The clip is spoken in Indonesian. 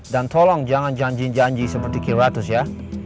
dan tolong jangan janji janji seperti kiratus ya